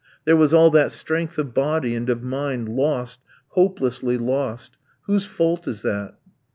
There was all that strength of body and of mind lost, hopelessly lost. Whose fault is that?